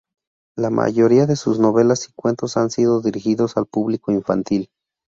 La mayoría de sus novelas y cuentos han sido dirigidos al público infantil.